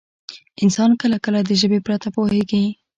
انسان کله کله د ژبې پرته پوهېږي.